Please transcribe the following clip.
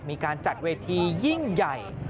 มีการจัดเวทียิ่งใหญ่